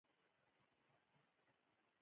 میندې د ماشوم د ګیډې درد پېژني۔